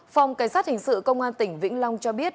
phòng cảnh sát hình sự công an tỉnh vĩnh long cho biết